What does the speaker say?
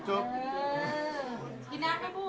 สวัสดีครับ